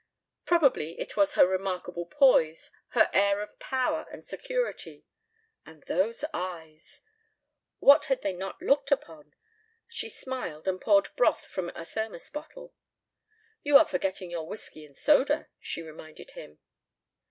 Probably it was her remarkable poise, her air of power and security and those eyes! What had not they looked upon? She smiled and poured broth from a thermos bottle. "You are forgetting your whiskey and soda," she reminded him.